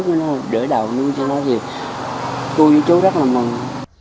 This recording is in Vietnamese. nhưng cho nó gì cô với chú rất là mừng